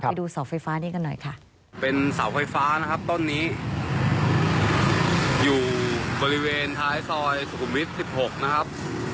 เป็นเสาไฟฟ้านะครับต้นนี้อยู่บริเวณท้ายซอยสุขุมวิทย์๑๖นะครับ